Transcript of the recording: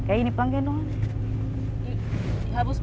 iya kayak ini penggendongan